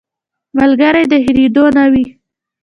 ملګری د هېرېدو نه وي